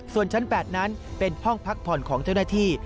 ส่วนชั้น๘นั้นเป็นห้องพักผ่อนของเจ้าหน้าที่